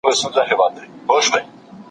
تاسي ولي د شکر په لاره کي ستړي سواست؟